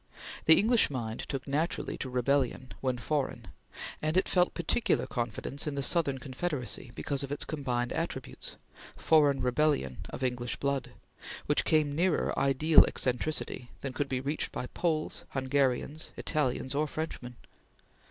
The English mind took naturally to rebellion when foreign and it felt particular confidence in the Southern Confederacy because of its combined attributes foreign rebellion of English blood which came nearer ideal eccentricity than could be reached by Poles, Hungarians, Italians or Frenchmen.